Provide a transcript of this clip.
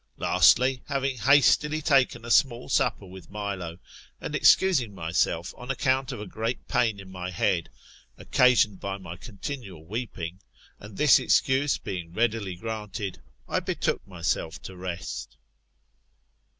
Lastly, having hastily taken a small supper with Milo, and excusing myself on account of a great pain in my head, occasioned by my continual weeping, and this excuse being readily granted, I betook myself to rest.